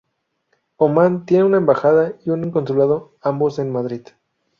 Omán tiene una embajada y un consulado ambos en Madrid.